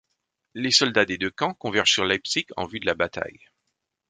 Les soldats des deux camps convergent sur Leipzig en vue de la bataille.